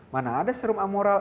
mana ada serum amoral